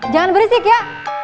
jangan berisik ya